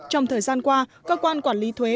trong thời gian qua cơ quan quản lý thuế